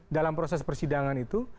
dalam proses persidangan itu